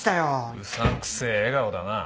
うさんくせえ笑顔だなあ。